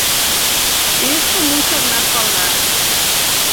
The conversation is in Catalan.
És com un sagnat pel nas.